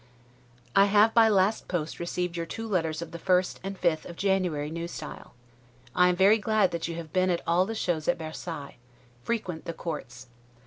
I have by last post received your two letters of the 1st and 5th of January, N. S. I am very glad that you have been at all the shows at Versailles: frequent the courts.